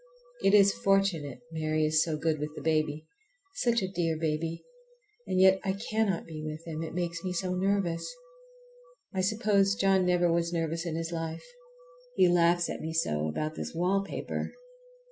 It is fortunate Mary is so good with the baby. Such a dear baby! And yet I cannot be with him, it makes me so nervous. I suppose John never was nervous in his life. He laughs at me so about this wallpaper!